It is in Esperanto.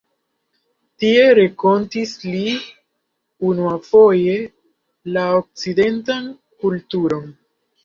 Tie renkontis li unuafoje la okcidentan kulturon.